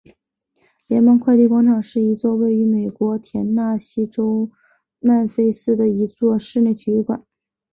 联邦快递广场是一座位于美国田纳西州曼菲斯的一座室内体育馆。